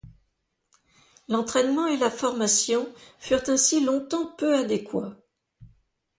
L'entraînement et la formation furent ainsi longtemps peu adéquats.